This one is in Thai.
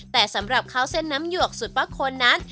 แต่สำหรับข้าวเส้นน้ำหยวกสุดป้าคนนั้น